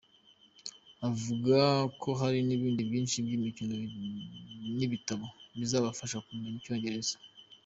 Avuga ko hari n’ibindi byinshi nk’imikino n’ibitabo bizabafasha kumenya icyongereza.